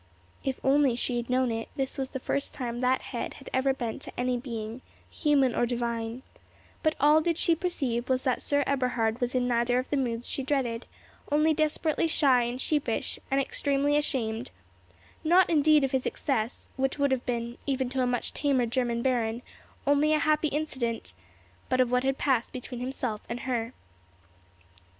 If she only had known it, this was the first time that head had ever been bent to any being, human or Divine; but all she did perceive was that Sir Eberhard was in neither of the moods she dreaded, only desperately shy and sheepish, and extremely ashamed, not indeed of his excess, which would have been, even to a much tamer German baron, only a happy accident, but of what had passed between himself and her.